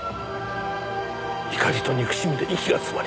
怒りと憎しみで息が詰まり